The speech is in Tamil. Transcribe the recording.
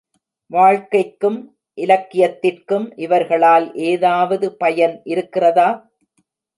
வாழ்க்கைக்கும் இலக்கியத்திற்கும் இவர்களால் ஏதாவது பயன் இருக்கிறதா?